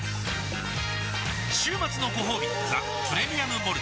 週末のごほうび「ザ・プレミアム・モルツ」